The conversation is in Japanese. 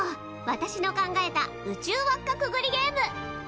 私の考えた宇宙輪っかくぐりゲーム。